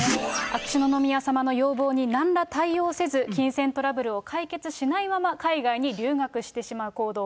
秋篠宮さまの要望になんら対応せず、金銭トラブルを解決しないまま、海外に留学してしまう行動。